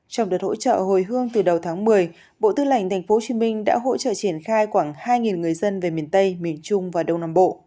trong đợt hỗ trợ hồi hương từ đầu tháng một mươi bộ tư lệnh tp hcm đã hỗ trợ triển khai khoảng hai người dân về miền tây miền trung và đông nam bộ